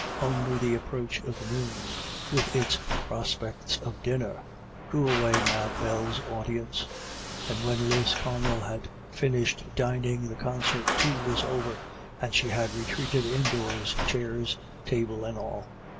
Only the approach of noon, with its prospects of dinner, drew away Mad Bell's audience; and when Lisconnel had finished dining, the concert, too, was over, and she had retreated indoors, chairs, table and all.